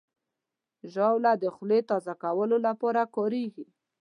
ژاوله د خولې تازه کولو لپاره کارېږي.